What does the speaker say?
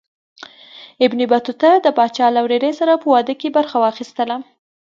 ابن بطوطه د پاچا له ورېرې سره په واده کې برخه واخیستله.